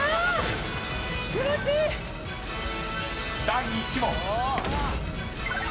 ［第１問］